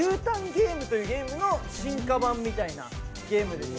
ゲームというゲームの進化版みたいなゲームです。